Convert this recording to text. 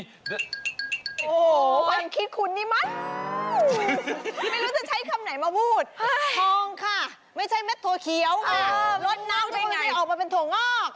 โหความคิดคุณนี่มันไม่รู้จะใช้คำไหนมาพูดทองค่ะไม่ใช่แม็กโถ่เขียวลดน้ำทุกคนได้ออกมาเป็นโถ่งอก